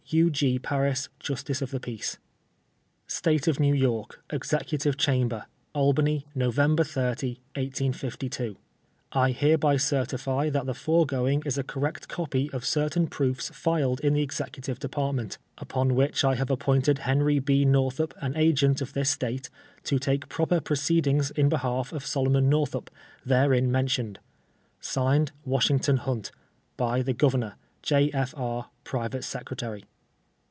U. G. Paris, Justice of the Peace. 334 TWELVE TEAKS A SLAVE. State of New York: Executive Chamber, Albany, Nov. 30, 1852. I liereby certify that the fore<Toing is a correct copy of cer tain proofs filed m the Executive Department, upon which 1 have appointed Henry IJ. Northup an Agent of this State, to take proper proceedings in behalf of Solomon Northup, there in nienlioued. (Signed,) WASHINGTON HUNT. By the Governor. J. F. IJ., Private Secretary.